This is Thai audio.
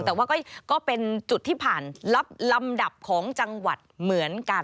แต่ว่าก็เป็นจุดที่ผ่านลับลำดับของจังหวัดเหมือนกัน